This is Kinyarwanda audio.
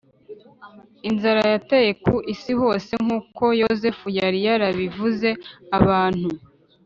inzara yateye ku isi hose nk uko Yozefu yari yarabivuze Abantu